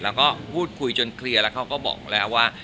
แล้วก็พูดคุยจนเคลียร์แล้วเขาก็บอกแล้วว่า